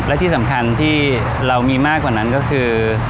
และที่สำคัญที่เรามีมากกว่านั้นก็คือ